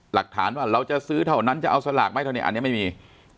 หลักฐานว่าเราจะซื้อเท่านั้นจะเอาสลากไหมเท่านี้อันนี้ไม่มี